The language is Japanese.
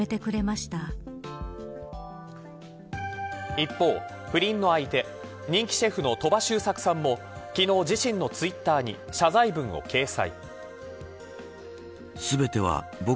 一方、不倫の相手人気シェフの鳥羽周作さんも昨日、自身のツイッターに謝罪文を掲載。